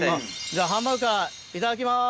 じゃあハンバーグからいただきます！